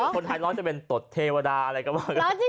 คนไทยร้องจะเป็นตดเทวดาอะไรก็ว่ากัน